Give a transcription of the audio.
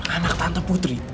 anak tante putri